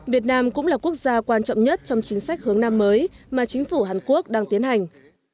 việt nam cũng là quốc gia quan trọng nhất trong chính sách hướng nam mới mà chính phủ hàn quốc đang tiến hành